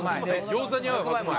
餃子に合う白米。